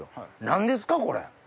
何ですかこれ。